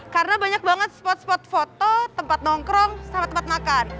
karena banyak banget spot spot foto tempat nongkrong tempat tempat makan